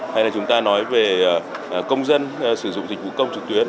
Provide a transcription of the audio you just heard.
hay là chúng ta nói về công dân sử dụng dịch vụ công trực tuyến